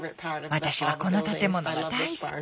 私はこの建物が大好き。